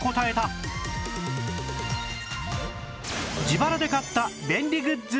自腹で買った便利グッズ